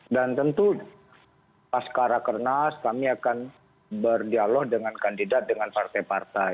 dan tentu pas kara kernas kami akan berdialog dengan kandidat dengan partai partai